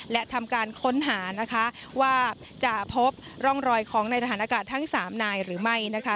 และทำการค้นหานะคะว่าจะพบร่องรอยของในทหารอากาศทั้ง๓นายหรือไม่นะคะ